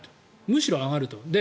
むしろ上がると。